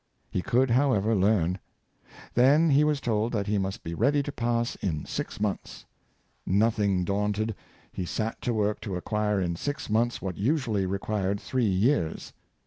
He could, however, learn. Then he was told that he must be ready to pass in six months. Noth ing daunted, he sat to work to acquire in six months what usually required three years.